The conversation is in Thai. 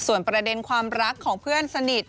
ส่วนประเด็นความรักของเพื่อนสนิท